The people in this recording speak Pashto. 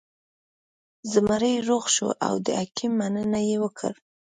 زمری روغ شو او د حکیم مننه یې وکړه.